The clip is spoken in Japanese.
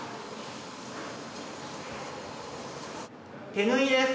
手縫いです。